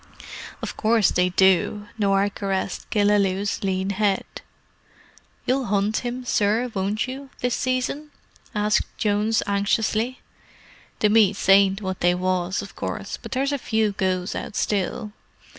"Of course they do." Norah caressed Killaloe's lean head. "You'll hunt him, sir, won't you, this season?" asked Jones anxiously. "The meets ain't what they was, of course, but there's a few goes out still.